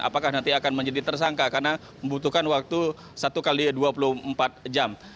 apakah nanti akan menjadi tersangka karena membutuhkan waktu satu x dua puluh empat jam